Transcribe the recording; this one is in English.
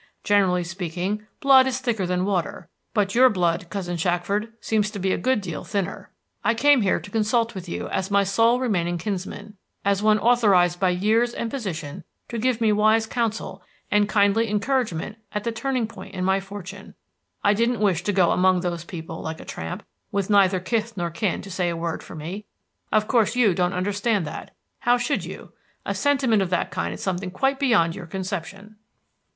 Generally speaking, blood is thicker than water; but your blood, cousin Shackford, seems to be a good deal thinner. I came here to consult with you as my sole remaining kinsman, as one authorized by years and position to give me wise counsel and kindly encouragement at the turning point in my fortune. I didn't wish to go among those people like a tramp, with neither kith nor kin to say a word for me. Of course you don't understand that. How should you? A sentiment of that kind is something quite beyond your conception."